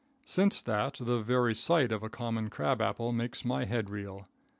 Since that, the very sight of a common crab apple makes my head reel.